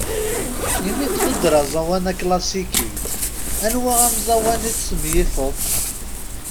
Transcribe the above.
Imi d-nuder aẓawan aklasiki, anwa ameẓẓawan i tesmenyifeḍ?